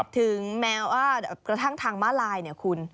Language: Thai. ถึงแม้ว่ากระทั่งทางมาลายเนี่ยคุณ